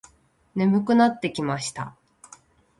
眠くなってきました。